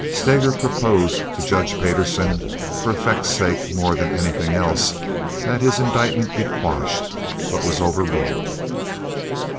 Steger proposed to Judge Payderson, for effect's sake more than anything else, that this indictment be quashed, but was overruled.